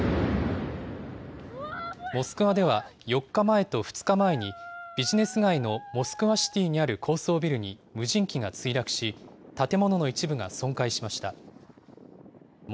モスクワでは４日前と２日前にビジネス街のモスクワシティにある高層ビルに無人機が墜落し、建物の一部が損壊しました。